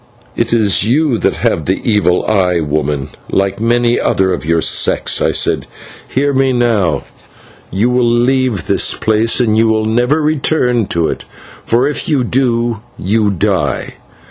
"It is you that have the evil eye, woman, like many another of your sex!" I said. "Hear me, now: you will leave this place, and you will never return to it, for if you do, you die!